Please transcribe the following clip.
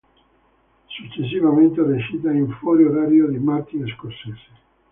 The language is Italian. Successivamente recita in "Fuori orario" di Martin Scorsese.